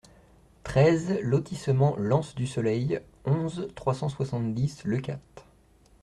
treize lotissement L'Anse du Soleil, onze, trois cent soixante-dix, Leucate